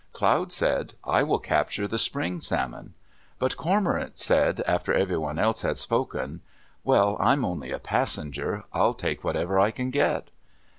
Cloud said, "I will capture the Spring Salmon." But Cormorant said, after everyone else had spoken, "Well, I'm only a passenger. I'll take whatever I can get."